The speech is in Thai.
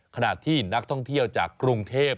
ขณะที่นักท่องเที่ยวจากกรุงเทพ